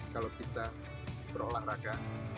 kalau kita berolahraga